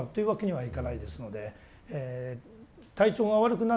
はい。